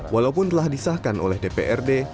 walaupun telah disahkan oleh dprd